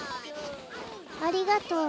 ありがとう。